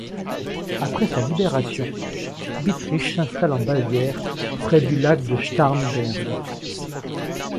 Après sa libération, Bittrich s'installe en Bavière, près du lac de Starnberg.